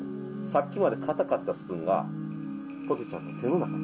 さっきまで硬かったスプーンがぽてちゃんの手の中に。